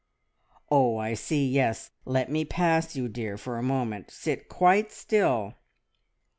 "Oh, I see! Yes. Let me pass you, dear, for a moment. Sit quite still!"